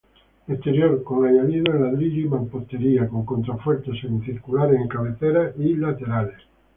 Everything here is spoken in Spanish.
Exterior con añadidos en ladrillo y mampostería, con contrafuertes semicirculares en cabecera y laterales.